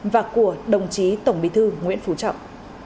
và của đồng chí tổng bí thư nguyễn phú trọng